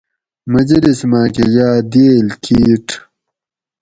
مجلس ماۤکہ یاۤ دئیل کِیٹ